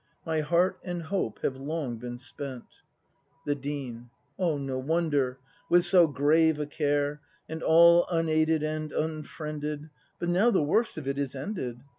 My heart and hope have long been spent. The Dean. No wonder; — with so grave a care. And all unaided and unfriended. But now the worst of it is ended.